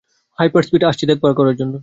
Hyper speed, আসছি দেখা করার জন্য।